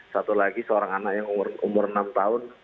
satu lagi seorang anak yang umur enam tahun